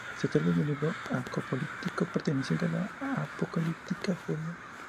Se trata de un libro apocalíptico perteneciente a la apocalíptica judía.